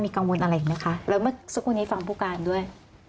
กังวลอะไรอีกไหมคะแล้วเมื่อสักครู่นี้ฟังผู้การด้วย